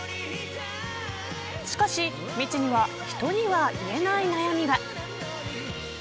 しかし、みちには人には言えない悩みが。